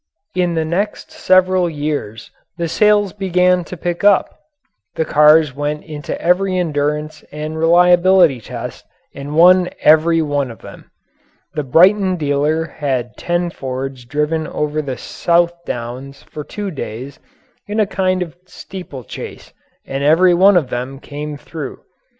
In the next several years the sales began to pick up. The cars went into every endurance and reliability test and won every one of them. The Brighton dealer had ten Fords driven over the South Downs for two days in a kind of steeplechase and every one of them came through.